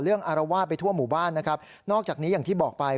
อารวาสไปทั่วหมู่บ้านนะครับนอกจากนี้อย่างที่บอกไป